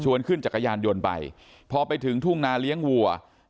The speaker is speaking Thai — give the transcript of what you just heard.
ขึ้นจักรยานยนต์ไปพอไปถึงทุ่งนาเลี้ยงวัว